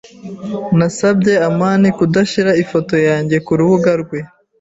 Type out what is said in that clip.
Nasabye amani kudashyira ifoto yanjye kurubuga rwe.